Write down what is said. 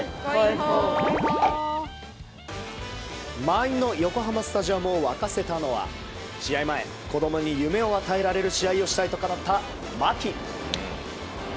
満員の横浜スタジアムを沸かせたのは試合前、子供に夢を与えられる試合がしたいと語った牧。